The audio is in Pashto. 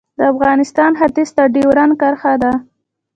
د افغانستان ختیځ ته ډیورنډ کرښه ده